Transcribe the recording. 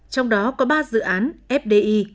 trong đó có ba dự án fdi